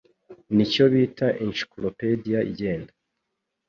Nicyo bita encyclopedia igenda.